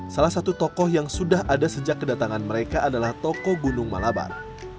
salah satu tokoh yang sudah ada sejak kedatangan mereka adalah toko gunung malabar